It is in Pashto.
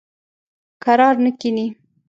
کرار نه کیني.